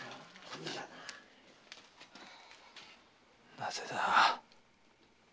なぜだ。